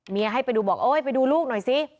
ให้ไปดูบอกโอ๊ยไปดูลูกหน่อยสิ